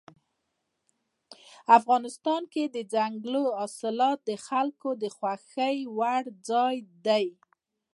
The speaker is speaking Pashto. افغانستان کې دځنګل حاصلات د خلکو د خوښې وړ ځای دی.